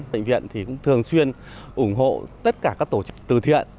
bệnh viện thường xuyên ủng hộ tất cả các tổ chức từ thiện